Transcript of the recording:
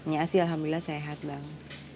ya sih alhamdulillah sehat bang